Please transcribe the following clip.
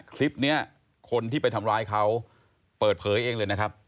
คลิปนี้คนที่ไปทำร้ายเขาเปิดเผยเองเลยนะครับ